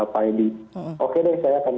pak edi oke deh saya akan